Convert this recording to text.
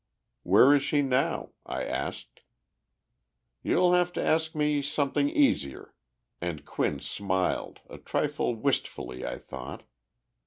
"Where is she now?" I asked. "You'll have to ask me something easier," and Quinn smiled, a trifle wistfully, I thought.